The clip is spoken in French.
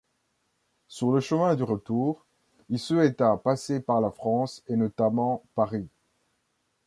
Sur le chemin du retour il souhaita passer par la France et notamment Paris.